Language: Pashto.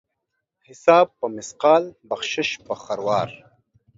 حساب په مثقال ، بخشش په خروار.